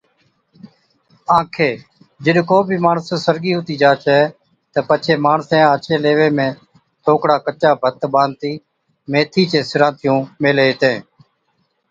آنکي، جِڏ ڪو بِي ماڻس سرگِي ھُتِي جا ڇَي تہ پڇي ماڻسين آڇي ليوي ۾ ٿوڪڙا ڪچا ڀت ٻانڌتِي ميٿي چي سِرھانٿِيون ميھلي ھِتين